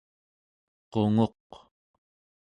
qunguq